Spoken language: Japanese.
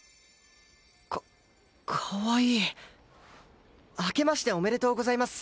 かかわいいあけましておめでとうございます。